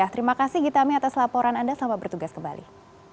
terima kasih gitami atas laporan anda selamat bertugas kembali